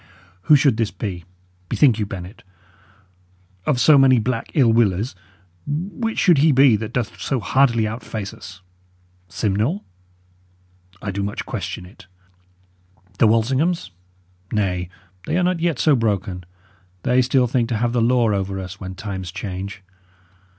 Who should this be? Bethink you, Bennet. Of so many black ill willers, which should he be that doth so hardily outface us? Simnel? I do much question it. The Walsinghams? Nay, they are not yet so broken; they still think to have the law over us, when times change.